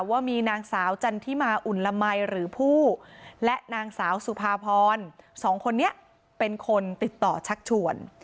ว่ามีนางสาวจันทิมาอุ่นละมัยหรือผู้และนางสาวสุภาพรสองคนนี้เป็นคนติดต่อชักชวน